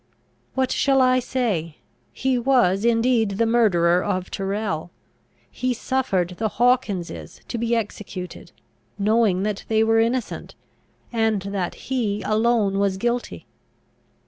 "What shall I say? He was indeed the murderer of Tyrrel; he suffered the Hawkinses to be executed, knowing that they were innocent, and that he alone was guilty.